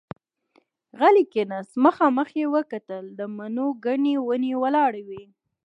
غلی کېناست، مخامخ يې وکتل، د مڼو ګنې ونې ولاړې وې.